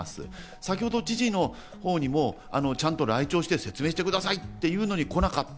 先ほど知事のほうにもちゃんと来庁して説明してくださいっていうのに来なかった。